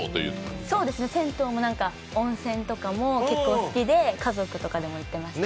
銭湯も温泉とかも結構好きで、家族とかでも行ってました。